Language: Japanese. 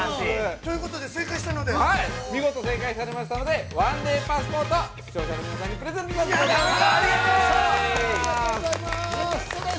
◆ということで正解したので、◆見事正解されましたので１ＤＡＹパスポート視聴者の皆さんにプレゼントします！